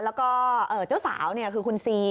แล้วก็เจ้าสาวคือคุณซี